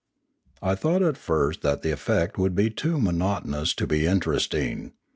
I thought at first that the effect would be too mono tonous to be interesting.